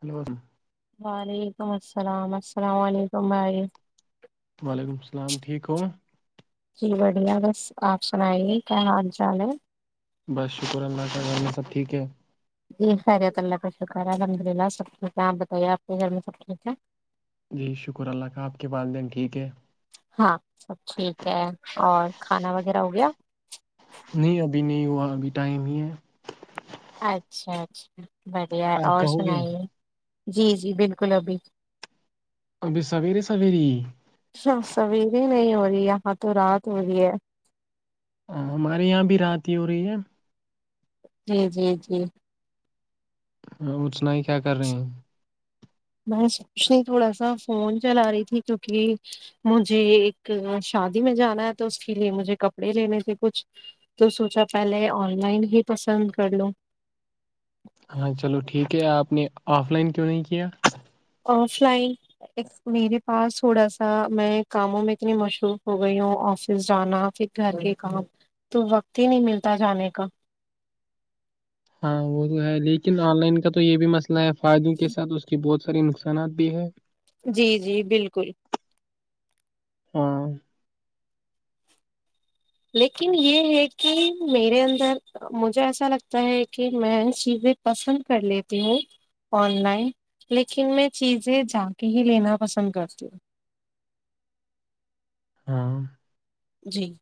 hello [unintelligible] وعلیکم السلام السلام علیکم بھائی [unintelligible] وعلیکم السلام ٹھیک کووں [unintelligible] جی بڑھیا بس آپ سنائیے کیا حال چال ہے [unintelligible] بس شکر اللہ کا گل میں سب ٹھیک ہے [unintelligible] جی سریت ال کش [unintelligible] الحمد للہ سب ٹھیک ہے آپ بتائیے آپ کے گھر میں سب ٹھیک ہے [unintelligible] جی شکر اللہ کا آپ کے والدین ٹھیک ہے [unintelligible] ہاں سب ٹھیک ہے اور کھانا وغیرہ ہو گیا [unintelligible] نہیں ابھی نہیں ہوا ابھی ٹائم ہی ہے [unintelligible] اچھا اچھا [unintelligible] بڑھیا ہے آپ اور کہو گے سنائیے [unintelligible] جی جی بالکل ابھی [unintelligible] ابھی سویری سویری [unintelligible] سویرے نہیں ہو رہی یہاں تو رات ہو رہی ہے [unintelligible] ہ ہمارے یہاں بھی رتی ہی ہو رہی ہے [unintelligible] جی جی جی [unintelligible] ہاں اچنا ہی کیا کر رہے ہیں [unintelligible] میں سوچنی تھوڑا سا فون چلا رہی تھی کیونکہ مجھے ایک شادی میں جانا ہے تو اس کے لیے مجھے کپڑے لینے تھے کچھ تو سوچا پہلے آن لائن ہی پسند کر لو [unintelligible] ہاں چلو ٹھیک ہے آپ نے آف لائن کیوں نہیں کیا [unintelligible] آف لائن ایک میرے پاس تھوڑا سا میں کاموں میں اتنی مشروف ہو گئی ہوں آفس جانا پھر گھر کے کام تو وقت ہی نہیں ملتا جانے کا [unintelligible] ہاں وہ تو ہے لیکن آن لائن کا تو یہ بھی مسئلہ [unintelligible] ئے فائدوں کے ساتھ اس کی بہت [unintelligible] بت ساری نقصانات بھی ہے [unintelligible] جی جی بالکل [unintelligible] ہاں [unintelligible] لیکن یہ ہے کہ میرے اندر مجھے ایسا لگتا ہے کہ میں چیزیں پسند کر لیتی ہوں آن لائن لیکن میں چیزیں جا کے ہی لینا پسند کرتی ہوں [unintelligible] ہاں [unintelligible] جی [unintelligible]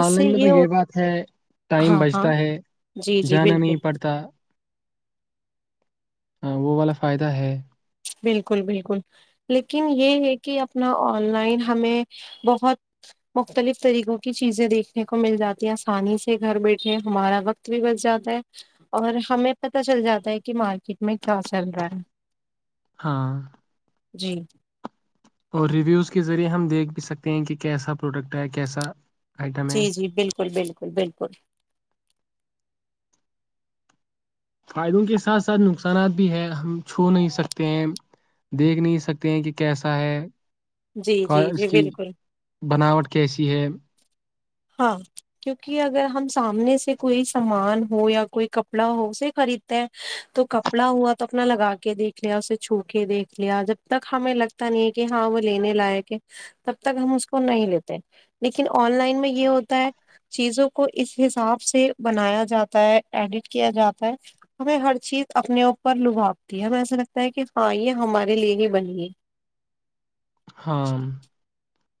اس آن سے لائن میں تو ہو- یہ بات ہے ٹائم ہاں ہاں بچتا ہے جی جی جانا بالکل نہیں پڑتا [unintelligible] ہاں وہ والا فائدہ ہے [unintelligible] بالکل بالکل لیکن یہ ہے کہ اپنا آن لائن ہمیں بہت مختلف طریقوں کی چیزیں دیکھنے کو مل جاتی ہیں آسانی سے گھر بیٹھے ہمارا وقت بھی بچ جاتا ہے اور ہمیں پتہ چل جاتا ہے کہ مارکیٹ میں کیا چل رہا ہے [unintelligible] ہاں [unintelligible] جی [unintelligible] اور ریویوز کے ذریعے ہم دیکھ بھی سکتے ہیں کہ کیسا پروڈکٹ ہے کیسا [unintelligible] جی جی بالکل بالکل بالکل [unintelligible] فائدوں کے ساتھ ساتھ نقصانات بھی ہے ہم چھو نہیں سکتے ہیں دیکھ نہیں سکتے ہیں کہ کیسا ہے جی [unintelligible] کا جی اس جی کی بالکل بناوٹ کیسی ہے [unintelligible] ہاں کیونکہ اگر ہم سامنے سے کوئی سامان ہو یا کوئی کپڑا ہو اسے خریدتے ہیں تو کپڑا ہوا تو اپنا لگا کے دیکھ لیا اسے چھو کے دیکھ لیا جب تک ہمیں لگتا نہیں ہے کہ ہاں وہ لینے لائق ہے تب تک ہم اس کو نہیں لیتے لیکن آن لائن میں [unintelligible] یہ ہوتا ہے چیزوں کو اس حساب سے بنایا جاتا ہے ایڈٹ کیا جاتا ہے ہمیں ہر چیز اپنے اوپر لبھاپتی ہے ہمیں ایسا لگتا ہے کہ ہاں یہ ہمارے لیے ہی بنیے [unintelligible] ہاں [unintelligible]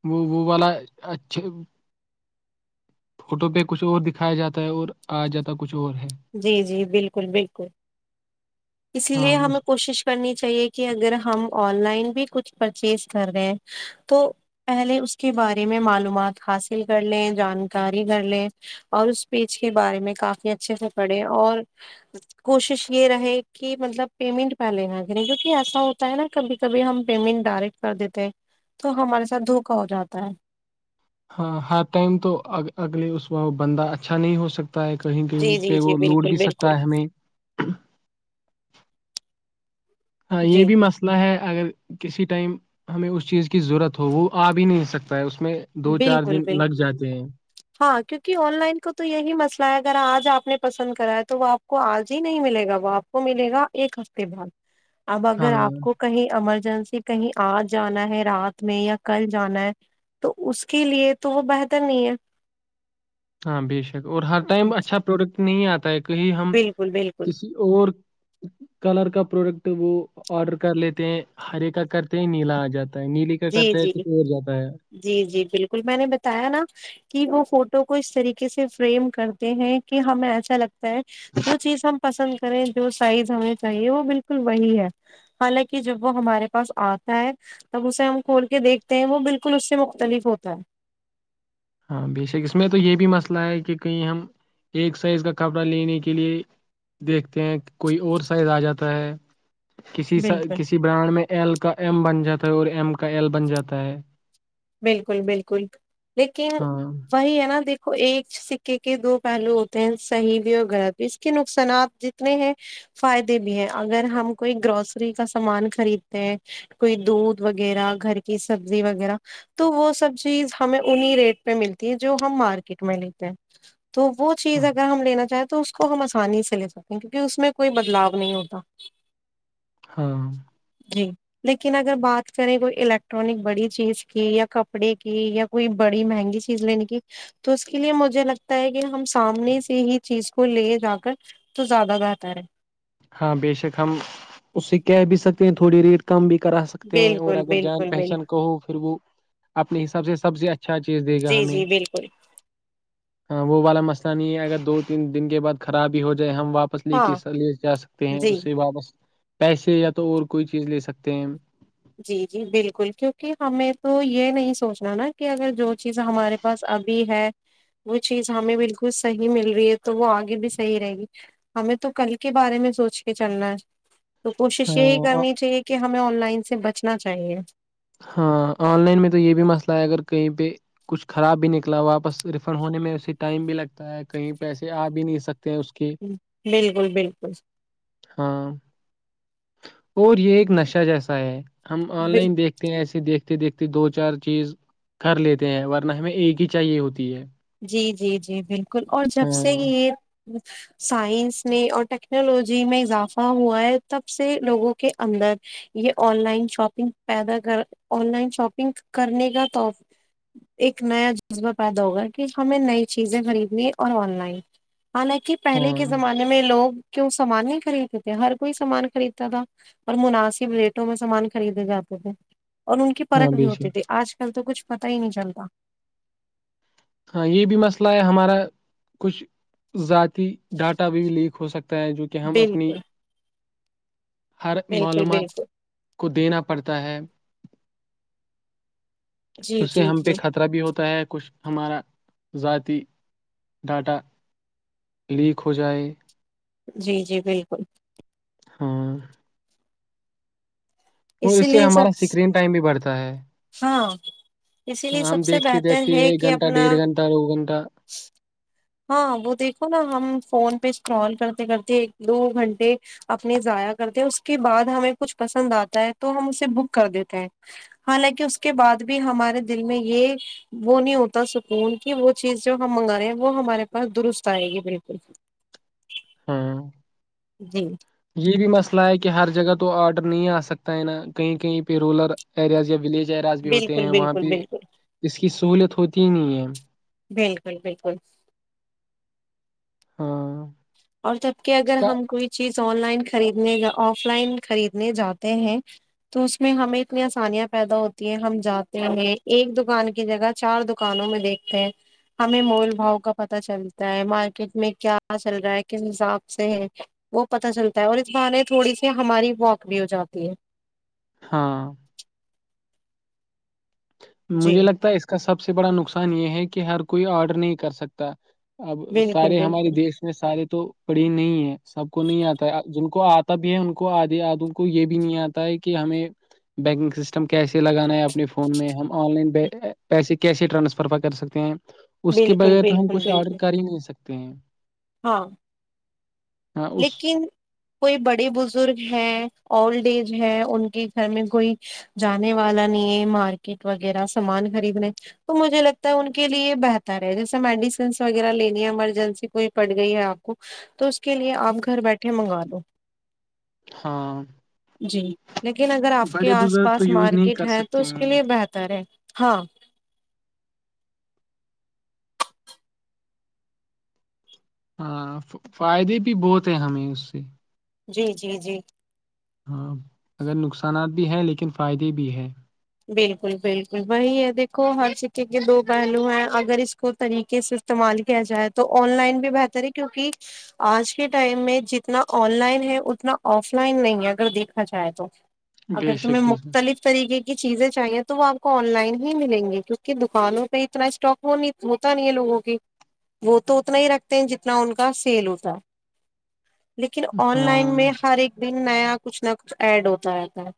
وہ وہ والا اچھا [unintelligible] فوٹو پہ کچھ اور دکھایا جاتا ہے اور آ جاتا کچھ اور ہے جی جی بالکل بالکل اسی ہاں لیے ہمیں اس- کوشش کرنی چاہیے کہ اگر ہم اور آن لائن بھی کچھ پرچیز کر رہے ہیں تو پہلے اس کے بارے میں معلومات حاصل کر لیں جانکاری کر لیں اور اس پیج کے بارے میں کافی اچھے سے پڑھے اور کوشش یہ رہے کہ مطلب پیمنٹ پہلے نہ کرے کیونکہ ایسا ہوتا ہے نا کبھی کبھی ہم پیمنٹ ڈائریکٹ کر دیتے ہیں تو ہمارے ساتھ دھوکا ہو جاتا ہے ہاں ہر ٹائم تو اگلے اس و بندہ اچھا نہیں ہو سکتا ہے کہیں کہیں جی جی پہ جی وہ لوٹ بالکل بھی سکتا بالکل ہے ہمیں ہاں یہ جی بھی مسئلہ ہے اگر کسی ٹائم ہمیں اس چیز کی ضرورت ہو وہ آ بھی نہیں سکتا ہے اس میں دو چار بالکل دن لگ جاتے ہیں کہ آن لائن کو تو یہی مسئلہ ہے اگر آج آپ نے پسند کرا ہے تو وہ آپ کو آج ہی نہیں ملے گا وہ آپ کو ملے گا ایک ہفتے بعد اب ہاں اگر آپ کو کہیں امر جنسی کہیں آ جانا ہے رات میں یا کل جانا ہے تو اس کے لیے تو وہ بہتر نہیں ہے ہاں بے شک اور ہر ائم اچھا پروڈکٹ نہیں آتا ہے کہیں ہم بالکل بالکل کسی اور کلر کا پروڈکٹ تو وہ آرڈر کر لیتے ہیں ہرے کا کرتے ہیں نیلا آزاد جی جی جی جی بالکل میں نے بتایا نا کہ وہ فوٹو اس طریقے سے فریم کرتے ہیں کہ ہمیں ایسا لگتا جو چیز ہم پسند کریں جو سائز ہمیں چاہیے وہ بالکل وہی ہے حالانکہ جب وہ ہمارے پاس آتا ہے تب اس ہم کھول کے دیکھتے ہیں وہ بالکل اس سے مختلف ہوتا ہے ہاں بے شک اس میں تو یہ بھی مسئلہ ہے کہ کہیں ہم ایک سائز کا کپڑا لینے کے لیئے دیکھتے ہیں کوئی اور سائز آ جاتا ہے بالکل کسی برانڈ میں ایل کا ایم بن جاتا ہے اور ایم کا ایل بن جاتا ہے بالکل بالکل لیکن ہاں وہی ہے نا دیک ایک سکے کے دو پہلو ہوتے ہیں صحیح بھی اور غلط بھی اس کے نقصانات جتنے ہیں فائدے بھی ہیں اگر ہم کوئی گروسری کا سامان خریدتے ہیں کوئی دودھ وغیرہ گھر کی سبزی وغیرہ تو وہ سب چیز ہمیں انیں ریٹ پہ ملتی ہے جو ہم مارکیٹ میں لیتے ہیں تو وہ چیز ہاں اگر ہم لینا چاہیں تو تو اس کو ہم آسانی سے لے سکتے ہیں کیونکہ اس میں کوئی بدلاؤ نہیں ہوتا ہاں جی لیکن اگر بات کریں کوئی الیکٹرانک بڑی چیز کی یا کپڑے کی یا کوئی بڑی مہنگی چیز لینے کی تو اس کے لیے مجھے لگتا ہے کہ ہم سامنے سے ہی چیز کو لے جا کر تو زیادہ بہتر ہے ہاں بے شک ہم اس سے کہہ بھی سکتے ہیں تھوڑی ریٹ کم بھی کرا سکتے ہیں اور بالکل اگر جان بالکل پہچان بالکل کو ہو پھر وہ اپنے حساب سے سب سے اچھا چیز دے گا جی ہمیں جی بالکل ہاں وہ والا مسئلہ نہیں ہے اگر دو تین دن کے بعد خرابی ہو ہم واپس لے کےے ہاں جا سکتے ہیں جی اس سے واپس پیسے یا تو اور کوئی چیز لے سکتے ہیں ہم جی جی بالکل کیونکہ ہمیں تو یہ نہیں سوچنا نا کہ اگر جو چیز ہمارے پاس ابھی ہے وہ چیز ہمیں بالکل صحیح مل رہی ہے تو وہ آگے بھی صحیح رہے گی ہمیں تو کل کے بارے میں سوچ کے چلنا ہے تو کوشش یہی ہاں کرنی چاہیے کہ ہمیں آن لائن سے سے بچنا چاہیے ہاں آن لائن میں تو یہ بھی مسئلہ ہے اگر کہیں پہ کچھ خراب بھی نکلا واپس ریفنڈ ہونے میںے ٹائم بھی لگتا ہے کہیں پیسے آ بھی نہیں سکتے ہیں اس کے بالکل بالکل ہاں اور یہ ایک نشہ جیسا ہے ہم آن بل- لائن دیکھتے ہیں ایسے دیکھتے دیکھتے دیکھتے دو چار چیز کر لیتے ہیں ورنہ ہمیں ایک ہی چاہیے ہوتی ہے جی جی جی بالکل اور جب ہاں سے یہ سائنس میں اور ٹیکنالوجی میں اضافہ ہوا ہے تب سے لوگوں کے اندر یہ آن لائن شاپنگ پیدا کر آن لائن شاپنگ کرنے کا تحف ایک نیا جذبہ پیدا ہوگا کہ ہمیں نئی چیزیں خریدنی اور آن لائن حالانکہ پہلے ہاں کے زمانے میں لوگ کیوں سامان نہیں خریدتے تھے ہر کوئی سامان خریدتا تھا اور مناسب ریٹوں میں سامان خریدے جاتے تھے اور ان کی ہاں پرکھ بھی بے ہوتی تھی شک آج کل تو کچھ پت ہی نہیں چلتا ہاں یہ بھی مسئلہ ہے ہمارا کچھ ذاتی ڈاٹا بھی بھی لیک ہو سکتا ہے جو کہ ہم اپنی بالکل ہر بالکل معلومات بالکل کو دینا پڑتا ہے جی اس سے جی ہم پہ جی خطرہ بھی ہوتا ہے کچھ ہمارا ذاتی ڈاٹا لیک ہو جائے جی جی بالکل ہاں اور اسی اس سے لیے ہمارا سب اسکرین ٹائم بھی بڑھتا ہے تا ہے ہاں اسی لیے سب سے دیکھتے بہتر دیکھتے ہے ایک کہ گھنٹہ اپنا ڈیڑھ گھنٹہ دو گھنٹہ ہاں وہ دیکھو نا ہم فون پہ اسٹرال کرتے کرتے ایک دو گھنٹے اپنے ضاائیا کرتے ہیں اس کے بعد ہمیں کچھ پسند آتا ہے تو ہم اسے بک کر دیتے ہیں حالانکہ اس کے بعد بھی ہمارے دل میں یہ وہ نہیں ہوتا سکون کہ وہ چیز جو ہم منگان رہے وہ ہمارے پاس درست آئے گی بالکل ہاں جی یہ بھی مسئلہ ہے کہ ہر جگہ تو آرڈر نہیں آ سکتا ہے نا کہیں کہیں پہ رورل ایریاز یا ولیج جراج بھی ہوتے ہیں بالکل وہاں بالکل پہ بالکل اس کی سہولت ہوتی تین ایم بالکل بالکل ہاں اور جب کہ اس اگر کا ہم کوئی چیز آن لائن خریدنے آف لائن خریدنے جاتے ہیں تو اس میں ہمیں اتنی آسانیاں پیدا ہوتی ہیں ہم جاتے ہیں ایک دکان کی جگہ چار دکانوں میں دیکھتے ہیں ہمیں مول بھؤ کا پتہ چلتا ہے مارکیٹ میں کیا پتہ چل رہا ہے کس حساب سے ہے وہ پتہ چلتا ہے اور اس بہانے تھوڑی سی ہماری واک بھی ہو جاتی ہے ہاں جی مجھے لگتا ہے اس کا سب سے بڑا نقصان نقصان یہ ہے کہ ہر کوئی آرڈر نہیں کر سکتا اب بالکل سارے ہمارے بالکل دیش میں سارے تو پڑی نہیں ہے سب کو نہیں آتا ہے جن کو آتا بھی ہے ان کو آدے آد کو یہ بھی نہیں آتا ہے کہ ہمیں بینکنگ سسٹم کیسے لگانا ہے اپنے فون میں ہم آن لائن پیسے کیسے ٹرانسفر کر سکتے ہیں اس کے بالکل بغیر تو ہم بالکل کچھ آرڈر بالکل کر ہی نہیں سکتے تے ہیں ہاں ہاں اس لیکن کوئی بڑے بزرگ ہیں اولڈ ایج ہے ان کے گھر میں کوئی جانے والا نہیں ہے مارکیٹ وغیرہ سامان خریدنے تو مجھے لگتا ہے ان کے لیے بہتر ہے جیسے میڈیسنس وغیرہ لینی ہے ایمرجنسی کوئی پڑ گئی ہے آپ کو تو کے لیے آپ گھر بیٹھے منگا دوو ہاں جی لیکن اگر آپ کے بڑے آس بزرگ تو پاس یوز نہیں مارکیٹ کر ہے تو سکتے اس کے ہیں لیے بہتر ہے ہاں ہاں فائدے بھی بہت ہیں ہمیں اس سے جی جی جی ہاں اگر نقصانات بھی ہیں لیکن فائدے بھی ہیں بالکل بالکل وہی ہے دیکھو ہر سکے کے دو پہلو ہیں اگر اس کو طریقے سے استعمال کیا جائے تو آن لائن بھی بہتر ہے کیونکہ آج کے ٹائم میں جتنا آن لائن ہے اتنا آف لائن نہیں ہے اگر دیکھا جائے تو بے اگر تمہیں شک بے شک مختلف طریقے کی کی چیزیں چاہیے تو وہ آپ کو آن لائن ہی ملیں گی کیونکہ دکانوں پہ اتنا اسٹاک ہوتا نہیں ہے لوگوں کی وہ تو اتنا ہی رکھتے ہیں جتنا ان کا سیل ہوتا لیکن آن ہاں لائن میں ہر ایک دن نیا کچھ نہ کچھ ایڈ ہوتا رہتا ہے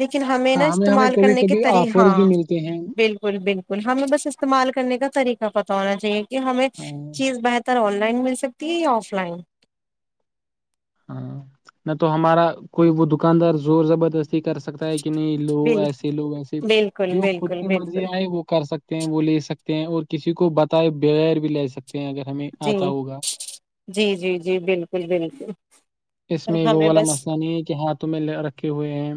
لیکن ہمیں نا ہاں ہمیں استعمال کبھی کرنے کے کبھی طریق آفرز بھی ہاں ملتے ہیں بالکل بالکل ہمیں بس استعمال کرنے کا طریقہ پتہ ہونا چاہیے کہ ہمیں ہاں چیز بہتر ہو ان لائن مل سکتی ہے یا اف لائن ہاں نہ تو ہمارا کوئی وہ دکاندار زور زبردستی کر سکتا ہے کہ کتنے لو بل ایسے لو ایسے بالکل جو خود بالکل پ مرضی بالکل آئے وہ کر سکتے وہ لے سکتے ہیں اور کسی کو بتائے بغیر بھی لے سکتے ہیں اگر ہمیں جی آتا ہوگا جی جی جی بالکل بالکل [unintelligible] اس اور میں وہ ہمیں والا بس مسئلہ نہیں ہے کہ ہاتھوں میں رکھے ہوئے ہیں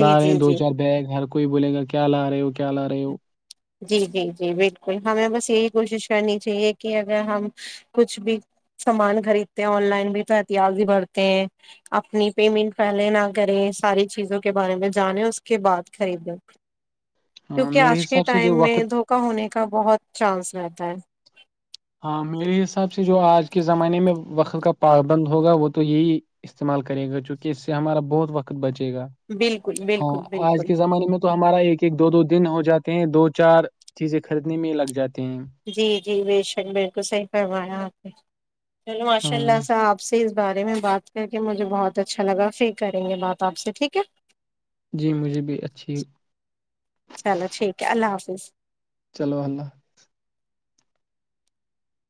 لا رہے ہیں جی دو جی چار بیگ ہر [unintelligible] کوئی بولے گا کیا لا رہے ہو کیا لا رہے ہو [unintelligible] جی جی جی بالکل ہمیں بس یہی کوشش کرنی چاہیے کہ اگر ہم کچھ بھی سامان خریدتے ہیں آن لائن بھی تو احتیاضی بھرتے ہیں اپنی پیمنٹ پہلے نہ کریں ساری چیزوں کے بارے میں جانیں اس کے بعد خریدیں ہاں کیونکہ میر [unintelligible] آج ٹائم میں دھوکا ہونے کا بہت چانس رہتا ہے [unintelligible] ہ [unintelligible] ہاں میرے حساب سے جو آج کے زمانے میں وقت کا پابابند ہوگا وہ تو یہی استعمال کرے گا چونکہ اس سے ہمارا بہت وقت بچے [unintelligible] گ بالکل بالکل ہاں آج بالکل کے زمانے میں تو ہمارا ایک ایک دو دو دن ہو جاتا [unintelligible] ہیں دو چار چیزیں خریدنے میں لگ جاتی [unintelligible] جی جی [unintelligible] بے شک بالکل صحیح فرمایا آپ نے چلو ماشاء ہاں اللہ صاح آپ سے [unintelligible] بارے میں بات کر کے مجھے بہت اچھا لگا پھر کریں گے بات آپ سے ٹھیک ہے [unintelligible] جی مجھے بھی اچھی [unintelligible] چلو ٹھیک ہے اللہ حافظ [unintelligible] چلو اللہ [unintelligible]